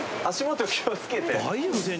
足元気をつけて？